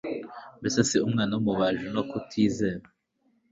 Mbese si umwana w'umubaji? no mu kutizera.